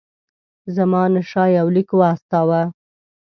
زمانشاه یو لیک واستاوه.